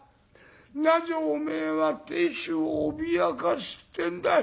なぜおめえは亭主を脅かすってんだよ」。